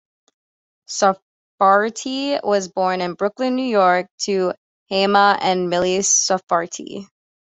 Sarfatti was born in Brooklyn, New York, to Hyman and Millie Sarfatti.